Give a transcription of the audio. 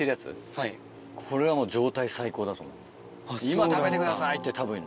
「今食べてください」ってたぶん。